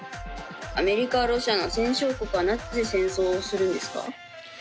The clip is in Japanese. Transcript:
アメリカロシアの戦勝国はなぜ戦争をするんですか？